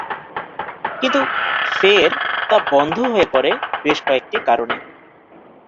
কিন্তু ফের তা বন্ধ হয়ে পরে বেশ কয়েকটি কারণে।